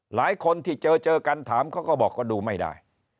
หลายคนที่เจอเจอกันถามเขาก็บอกก็ดูไม่ได้